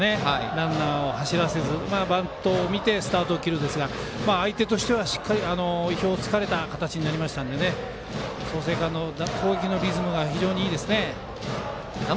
ランナーを走らせずバントを見てスタートを切るんですが相手としては意表を突かれた形なので創成館の攻撃のリズムが非常にいいですね。